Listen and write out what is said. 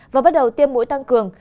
và bắt đầu tiêm mũi tăng cường